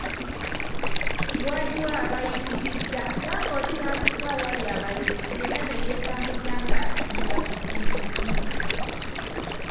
Waliwo abayitiriza, gamba oli n'atuuka awali abalenzi yenna ne yeetambuza ng'asiirabusiizi.